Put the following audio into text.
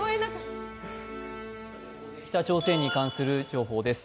北朝鮮に関する情報です。